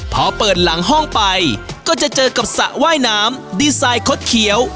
พอเปิดหลังห้องไปก็จะเจอกับสระว่ายน้ำดีไซน์คดเขียว